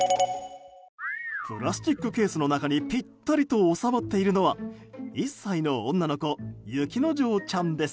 プラスチックのケースの中にぴったりと納まっているのは１歳の女の子雪之丞ちゃんです。